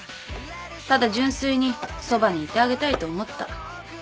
ただ純粋にそばにいてあげたいと思った。